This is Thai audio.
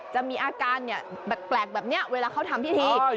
จะมีอาการแปลกแบบนี้เวลาเขาทำพิธี